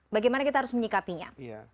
bagaimana kita harus menyikapinya